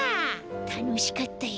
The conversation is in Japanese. たのしかったよ。